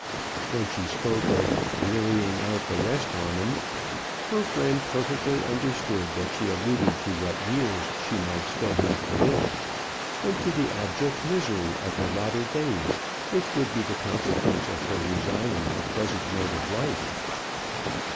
When she spoke of "wearying out the rest on 'em," her friend perfectly understood that she alluded to what years she might still have to live, and to the abject misery of her latter days, which would be the consequence of her resigning her present mode of life.